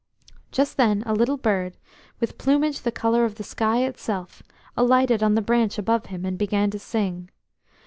Just then a little bird, with plumage the colour of the sky itself, alighted on the branch above him, and began to sing.